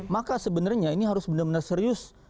maka sebenarnya ini harus benar benar serius